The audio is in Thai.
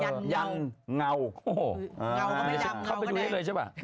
เงาก็ไม่ยังเงาก็ได้เดี๋ยวฉันเข้าไปดูนี่เลยใช่ไหม